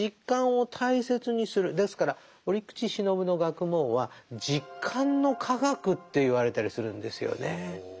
ですから折口信夫の学問は「実感の科学」って言われたりするんですよね。